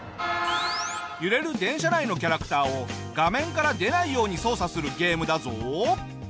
揺れる電車内のキャラクターを画面から出ないように操作するゲームだぞ。